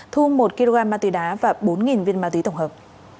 thu một kg ma túy đá và bốn viên ma túy tổng hợp